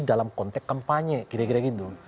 dalam konteks kampanye kira kira gitu